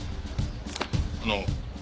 あの。